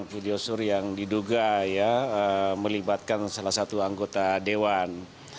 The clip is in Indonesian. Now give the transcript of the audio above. video sur yang diduga ya melibatkan salah satu anggota dewan